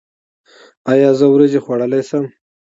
ایا زه وریجې خوړلی شم؟